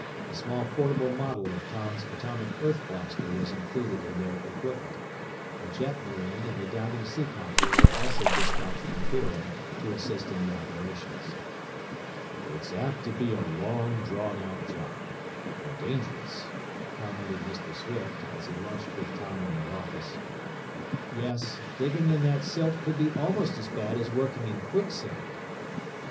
A small portable model of Tom's atomic earth blaster was included in their equipment. A jetmarine and a diving seacopter were also dispatched from Fearing to assist in the operations. "It's apt to be a long drawn out job and dangerous," commented Mr. Swift as he lunched with Tom in their office. "Yes. Digging in that silt could be almost as bad as working in quicksand."